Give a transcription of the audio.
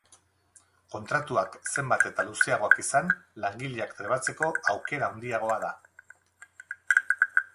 Kontratuak zenbat eta luzeagoak izan langileak trebatzeko aukera handiagoa da.